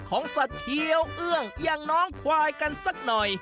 ของสัตว์เคี้ยวเอื้องอย่างน้องควายกันสักหน่อย